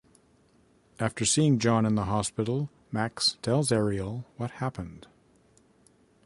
After seeing John in the hospital, Max tells Ariel what happened.